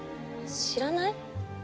知らない？